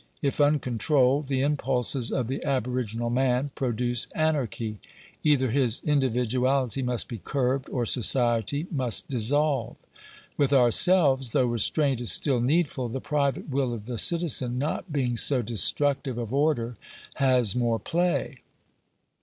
If uncontrolled, the impulses of the aboriginal man produce anarchy. Either his individuality must be curbed, or society must dissolve. With ourselves, though restraint is still needftd, the private will of the citizen, not being so destructive of order, has more play.